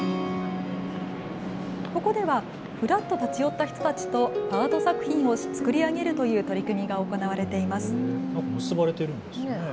ここではふらっと立ち寄った人たちとアート作品を作り上げるという取り組みが行われています。